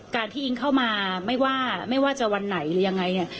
การที่อิงเข้ามาไม่ว่าไม่ว่าจะวันไหนหรือยังไงเนี่ย